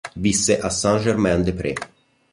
Visse a Saint-Germain-des-Prés.